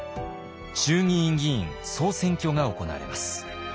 衆議院議員総選挙が行われます。